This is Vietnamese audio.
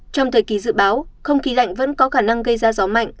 trong thời kỳ dự báo không khí lạnh vẫn có khả năng gây ra gió mạnh